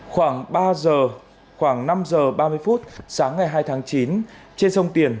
khoảng ba giờ khoảng năm giờ ba mươi phút sáng ngày hai tháng chín trên sông tiền